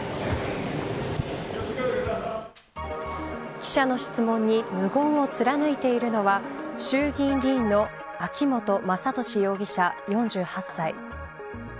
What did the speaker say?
記者の質問に無言を貫いているのは衆議院議員の秋本真利容疑者４８歳。